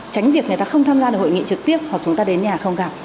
tránh việc người ta không tham gia được hội nghị trực tiếp hoặc chúng ta đến nhà